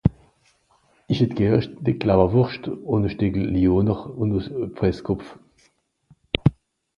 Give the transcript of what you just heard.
Isch hätt Garn Lawerwurscht un e Steckel Lyoner un au Presskopf